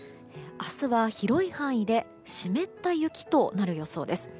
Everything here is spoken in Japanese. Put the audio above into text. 明日は広い範囲で湿った雪となる予想です。